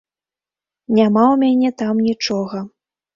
Няма ў мяне там нічога.